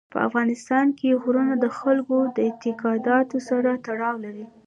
په افغانستان کې غرونه د خلکو د اعتقاداتو سره تړاو لري.